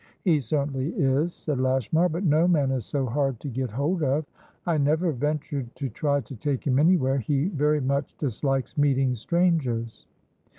"He certainly is," said Lashmar, "but no man is so hard to get hold of. I never ventured to try to take him anywhere; he very much dislikes meeting strangers."